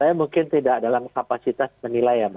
saya mungkin tidak dalam kapasitas menilai ya mbak